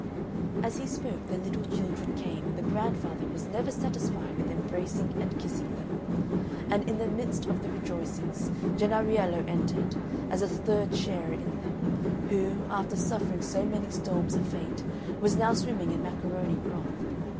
And as he spoke, the little children came, and the grandfather was never satisfied with embracing and kissing them; and in the midst of the rejoicings Jennariello entered, as a third sharer in them, who, after suffering so many storms of fate, was now swimming in macaroni broth.